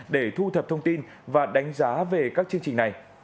để thu thập thông tin và đánh giá về các chương trình này